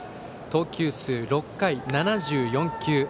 投球数６回７４球。